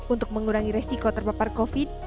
untuk mengurangi resiko terpapar covid